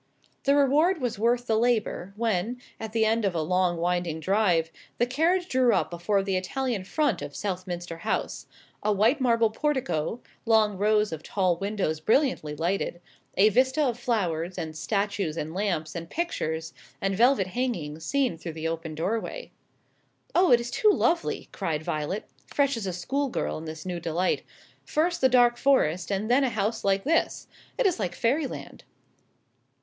The reward was worth the labour when, at the end of a long winding drive, the carriage drew up before the Italian front of Southminster House; a white marble portico, long rows of tall windows brilliantly lighted, a vista of flowers, and statues, and lamps, and pictures, and velvet hangings, seen through the open doorway. "Oh, it is too lovely!" cried Violet, fresh as a schoolgirl in this new delight; "first the dark forest and then a house like this it is like Fairyland."